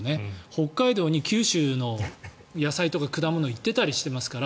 北海道に九州の野菜とか果物が行ったりしてますから。